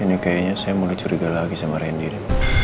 ini kayaknya saya mulai curiga lagi sama rendy